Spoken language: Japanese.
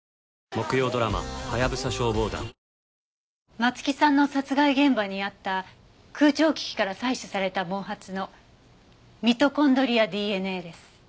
松木さんの殺害現場にあった空調機器から採取された毛髪のミトコンドリアＤＮＡです。